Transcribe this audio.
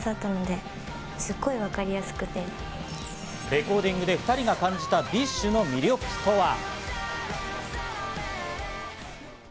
レコーディングで２人が感じたＢｉＳＨの魅力とは？